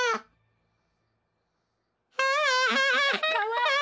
かわいい！